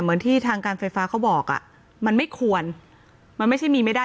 เหมือนที่ทางการไฟฟ้าเขาบอกอ่ะมันไม่ควรมันไม่ใช่มีไม่ได้